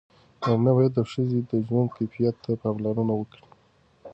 نارینه باید د ښځې د ژوند کیفیت ته پاملرنه وکړي.